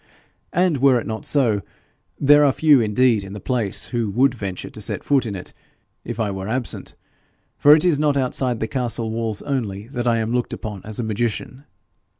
And were it not so, there are few indeed in the place who would venture to set foot in it if I were absent, for it is not outside the castle walls only that I am looked upon as a magician.